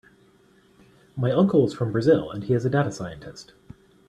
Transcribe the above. My uncle is from Brazil and he is a data scientist.